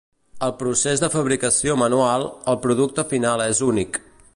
Al procés de fabricació manual, el producte final és únic.